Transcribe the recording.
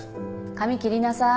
髪切りなさい。